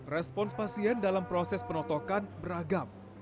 respon pasien dalam proses penotokan beragam